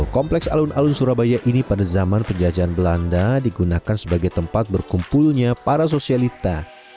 kompleks alun alun surabaya ini pada zaman penjajahan belanda digunakan sebagai tempat berkumpulnya para sosialita